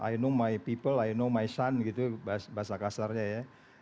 i know my people i know my sun gitu bahasa kasarnya ya